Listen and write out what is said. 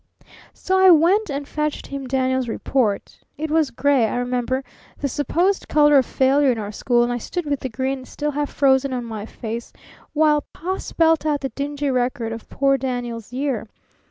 So I went and fetched him Daniel's report. It was gray, I remember the supposed color of failure in our school and I stood with the grin still half frozen on my face while Pa spelt out the dingy record of poor Daniel's year.